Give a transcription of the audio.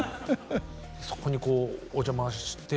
そこにこうお邪魔して。